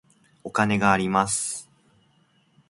お金があります。